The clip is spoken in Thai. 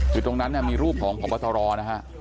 คือตรงนั้นเนี่ยมีรูปของพบตรนะฮะ